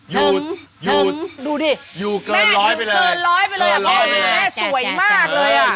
หึงหึงหึงดูดิอยู่เกินร้อยไปเลยอยู่เกินร้อยไปเลยแม่สวยมากเลยอะ